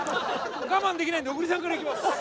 我慢できないんで小栗さんからいきます。